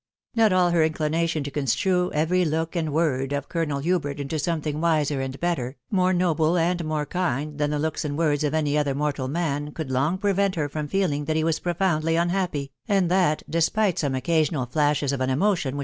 Not all her inclination to construe every look and word of Colonel Hubert into something wiser and better, more noble and more kind than the looks and words of any other mortal man, could long prevent her' from feeling that he was profoundly unhappy, and that, despite some occasional flashes of an emotaaa ^blah.